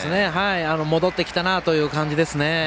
戻ってきたなという感じですね。